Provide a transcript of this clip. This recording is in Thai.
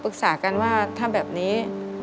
ปรึกษากันว่าถ้าแบบนี้